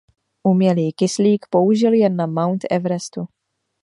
Umělý kyslík použil jen na Mount Everestu.